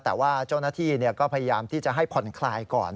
แต่ว่าเจ้าหน้าที่ก็พยายามที่จะให้ผ่อนคลายก่อน